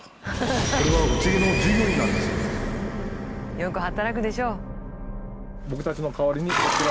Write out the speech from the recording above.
よく働くでしょう。